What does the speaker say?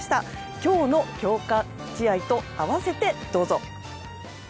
今日の強化試合と併せてどうぞ。